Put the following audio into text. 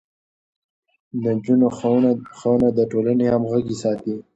د نجونو ښوونه د ټولنې همغږي ساتي.